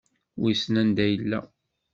Wissen anda yella.